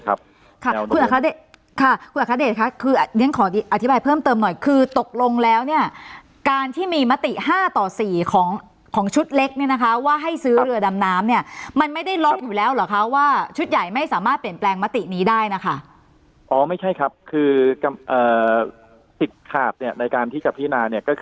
ภาษาศึกษาสีของของชุดเล็กนี่นะครับว่าให้ซื้อเรือดำน้ำนี้มันไม่ได้หรอกอยู่แล้วนะคะว่าชุดใหญ่ไม่สามารถเปลี่ยนแฟน